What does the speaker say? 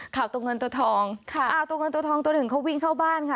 ข่าวตัวเงินตัวทองค่ะอ่าตัวเงินตัวทองตัวหนึ่งเขาวิ่งเข้าบ้านค่ะ